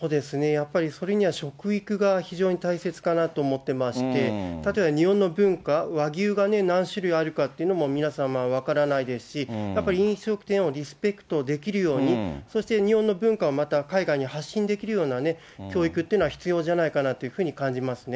やっぱりそれには食育が非常に大切かなと思ってまして、例えば、日本の文化、和牛がね、何種類あるかというのも皆さん、分からないですし、やっぱり飲食店をリスペクトできるように、そして日本の文化をまた海外に発信できるような教育というのは必要じゃないかなというふうに感じますね。